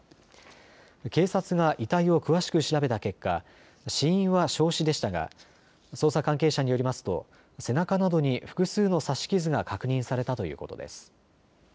警察が遺体を詳しく調べた結果、死因は焼死でしたが捜査関係者によりますと背中などに複数の刺し傷が確認されたということです。